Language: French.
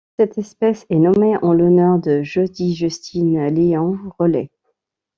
Cette espèce est nommée en l'honneur de Jodi Justine Lyon Rowley.